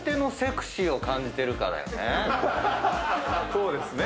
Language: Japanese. そうですね。